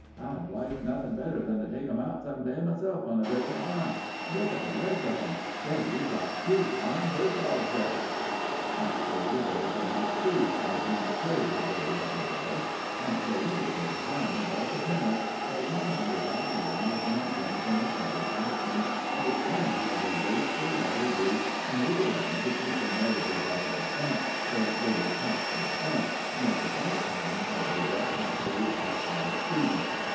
Hi'd like nothing better than to take 'em out some day myself on a bit of an 'unt. Look at the legs of 'em! Say, you've got two fine bird dogs there." Naturally the boys were much pleased by Tom's praise of their beloved dogs, and they lingered for a time about the kennels while Tom pointed out to them the fine points in a setter's action and explained how their graceful, level gait enabled them to keep their noses out in front where they would catch the scent, and at the same time cover rough country at high speed.